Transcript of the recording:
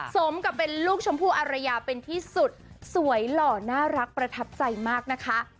สมกับเป็นลูกชมพู่อารยาเป็นที่สุดสวยหล่อน่ารักประทับใจมากนะคะ